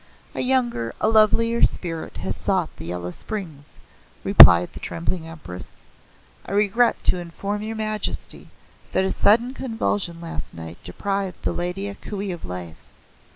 "A younger, a lovelier spirit has sought the Yellow Springs," replied the trembling Empress. "I regret to inform your Majesty that a sudden convulsion last night deprived the Lady A Kuei of life.